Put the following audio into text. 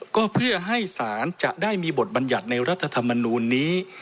ก็เพื่อให้ศาลจะได้มีบทบัญญัติในรัฐธรรมนูลนี้